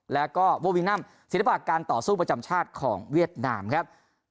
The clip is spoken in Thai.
แล้วก็โววินัมศิลปะการต่อสู้ประจำชาติของเวียดนามครับ